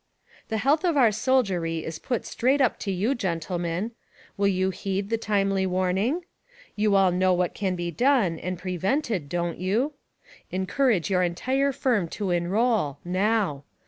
The health of our soldiery is put straight up to you, gentlemen. Will you heed the timely warning? You all know what can be done, and prevented, don't you? Encourage your entire firm to enroll — NOW.